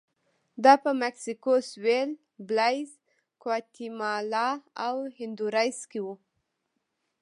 دا په مکسیکو سوېل، بلایز، ګواتیمالا او هندوراس کې و